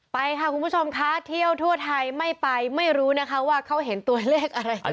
ไปค่ะคุณผู้ชมคะเที่ยวทั่วไทยไม่ไปไม่รู้นะคะว่าเขาเห็นตัวเลขอะไร